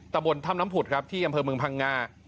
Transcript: บนถ้ำน้ำผุดครับที่อำเภอเมืองพังงา